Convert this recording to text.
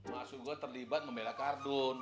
maksud gua terlibat membela kardun